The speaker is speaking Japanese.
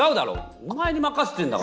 お前に任せてんだからさ。